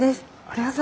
どうぞ。